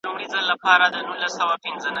که موږ کتاب ونه لولو نو پوهه نه سو ترلاسه کولای.